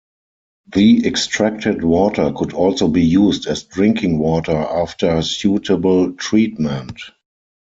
The extracted water could also be used as drinking water after suitable treatment.